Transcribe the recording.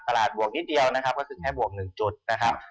ตลาดบวกนิดเดียวนะครับก็คือให้บวก๑จุดนะครับ